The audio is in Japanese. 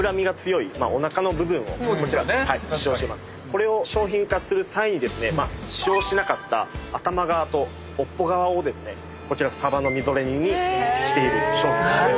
これを商品化する際に使用しなかった頭側と尾っぽ側をですねこちらさばのみぞれ煮にしている商品になります。